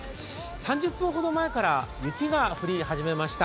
３０分ほど前から雪が降り始めました。